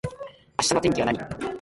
明日の天気は何